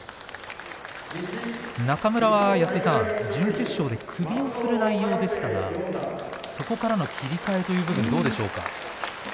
中村は安井さん、準決勝で首を振る内容でしたがそこからの切り替えはどうですか。